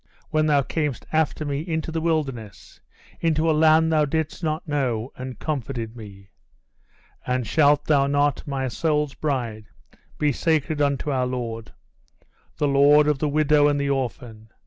when thou camest after me into the wilderness, into a land thou didst not know, and comforted me! And shalt thou not, my soul's bride, be sacred unto our Lord? the Lord of the widow and the orphan!